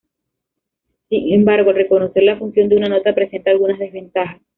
Sin embargo, el reconocer la función de una nota presenta algunas desventajas.